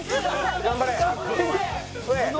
頑張れ！